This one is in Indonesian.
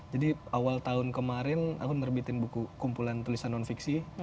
jadi awal tahun kemarin aku merebitin buku kumpulan tulisan non fiksi